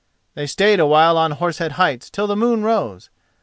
They stayed a while on Horse Head Heights till the moon rose.